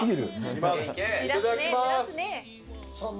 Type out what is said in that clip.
いただきます。